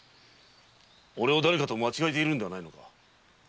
俺を誰かと間違えているのではないのか？